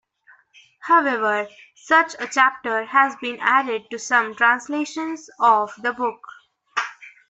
However, such a chapter has been added to some translations of the book.